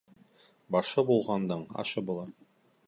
Башы булғандың ашы була.